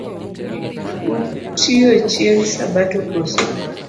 Utiyo chieng’ sabato koso?